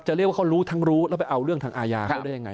เรียกว่าเขารู้ทั้งรู้แล้วไปเอาเรื่องทางอาญาเขาได้ยังไง